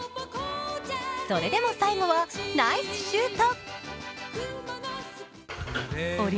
それでも最後はナイスシュート。